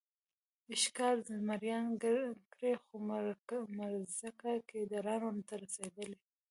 ښکار زمریانو کړی خو مړزکه ګیدړانو ته رسېدلې.